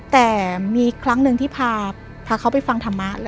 แต่มีครั้งหนึ่งที่พาเขาไปฟังธรรมะ